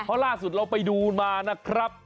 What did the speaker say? เพราะล่าสุดเราไปดูมานะครับ